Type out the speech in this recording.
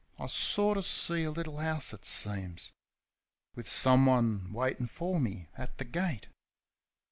I sorter see a little 'ouse, it seems, Wiv someone waitin' for me at the gate